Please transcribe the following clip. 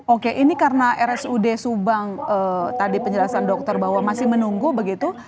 oke ini karena rsud subang tadi penjelasan dokter bahwa masih menunggu begitu